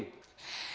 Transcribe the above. tadi apaan sih